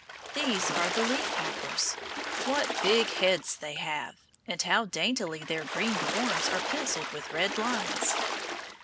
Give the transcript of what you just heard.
These are the leaf hoppers. What big heads they have! And how daintily their green forms are pencilled with red lines.